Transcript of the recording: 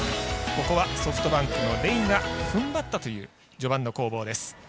ここはソフトバンクのレイがふんばったという序盤の攻防です。